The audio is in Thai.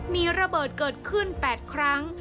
มีระเบิดเกิดขึ้น๘ครั้ง